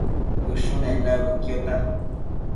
Bëshunenda bëquiota